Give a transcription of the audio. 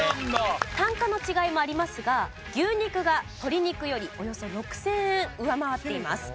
単価の違いもありますが牛肉が鶏肉よりおよそ６０００円上回っています。